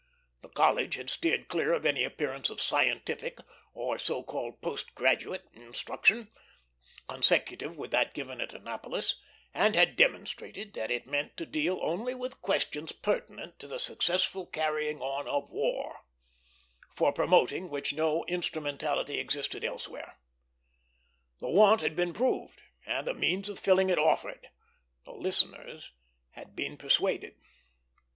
The College had steered clear of any appearance of scientific, or so called post graduate, instruction, consecutive with that given at Annapolis; and had demonstrated that it meant to deal only with questions pertinent to the successful carrying on of war, for promoting which no instrumentality existed elsewhere. The want had been proved, and a means of filling it offered. The listeners had been persuaded.